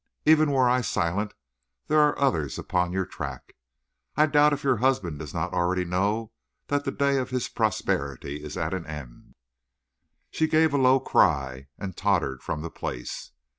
"Even were I silent there are others upon your track. I doubt if your husband does not already know that the day of his prosperity is at an end." She gave a low cry, and tottered from the place.